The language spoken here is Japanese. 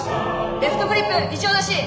レフトグリップ異常なし。